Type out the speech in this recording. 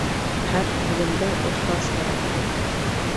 Һәр ғилемдә остаз кәрәк.